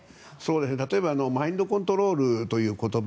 例えばマインドコントロールという言葉